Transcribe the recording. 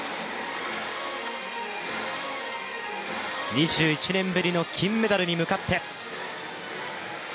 ２１年ぶりの金メダルに向かって。